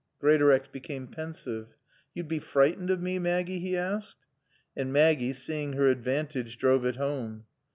Greatorex became pensive. "Yo'd bae freetened o' mae, Maaggie?" he asked. And Maggie, seeing her advantage, drove it home.